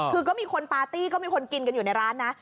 คือก็มีคนปาร์ตี้ก็มีคนกินกันอยู่ในร้านนะ